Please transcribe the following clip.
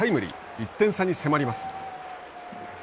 １点差に迫ります。